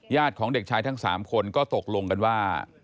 ของเด็กชายทั้ง๓คนก็ตกลงกันว่า